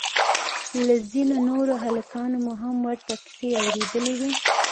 له ځينو نورو هلکانو مو هم ورته کيسې اورېدلې وې.